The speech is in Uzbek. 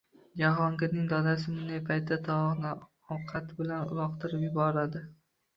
Jahongirning dadasi bunday paytda tovoqni ovqati bilan uloqtirib yuboradi